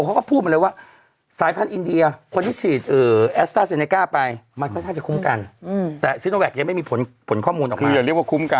เขาก็พูดมาเลยว่าสายพันธ์อินเดีย